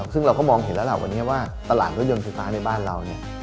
ซึ่งเราก็มองเห็นแล้วล่ะวันนี้ว่าตลาดรถยนต์ไฟฟ้าในบ้านเราเนี่ย